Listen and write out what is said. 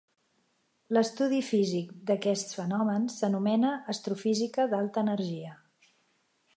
L'estudi físic d'aquests fenòmens s'anomena astrofísica d'alta energia.